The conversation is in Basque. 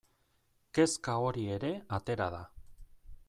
Kezka hori ere atera da.